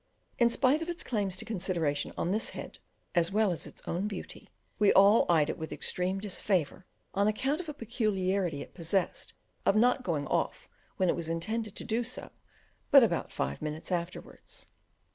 In spite of its claims to consideration on this head as well as its own beauty, we all eyed it with extreme disfavour on account of a peculiarity it possessed of not going off when it was intended to do so, but about five minutes afterwards.